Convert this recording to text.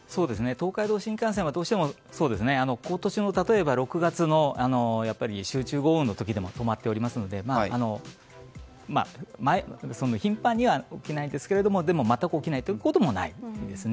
東海道新幹線はどうしても、例えば今年の６月の集中豪雨の時にも止まっておりますので頻繁には起きないですけれどもでも全く起きないこともないということですね。